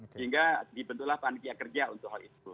sehingga dibentuklah pandemi yang kerja untuk hal itu